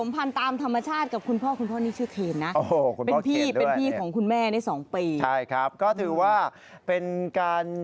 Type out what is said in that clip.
ปะไปดูกันไหมปะไปดูกัน